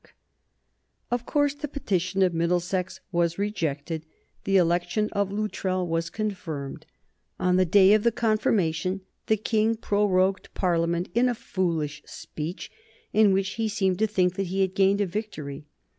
[Sidenote: 1769 Unpopularity of George the Third] Of course the petition of Middlesex was rejected; the election of Luttrell was confirmed. On the day of the confirmation the King prorogued Parliament in a foolish speech in which he seemed to think that he had gained a victory.